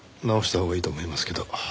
直したほうがいいと思いますけど。